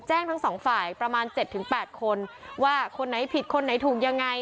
ทั้งสองฝ่ายประมาณ๗๘คนว่าคนไหนผิดคนไหนถูกยังไง